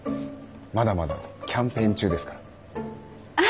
まだまだキャンペーン中ですから。